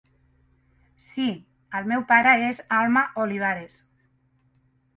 Sí, el meu pare és Alma Olivares.